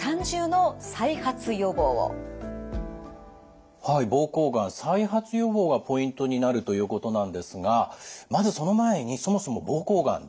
はい膀胱がん再発予防がポイントになるということなんですがまずその前にそもそも膀胱がん